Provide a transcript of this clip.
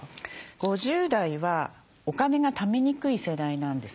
５０代はお金がためにくい世代なんですね。